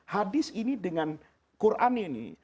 hadis ini dengan quran ini